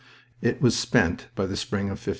It was spent by the spring of '15.